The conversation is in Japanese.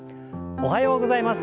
おはようございます。